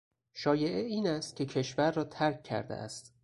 شایعه این است که کشور را ترک کرده است.